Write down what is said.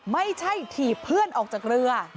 ถีบเพื่อนออกจากเรือ